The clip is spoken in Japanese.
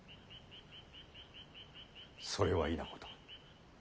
それは異なこと。